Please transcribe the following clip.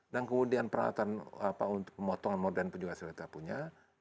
dan kemudian peralatan pemotongan modern pun juga sudah kita punya